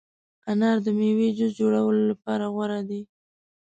انار د مېوې جوس جوړولو لپاره غوره دی.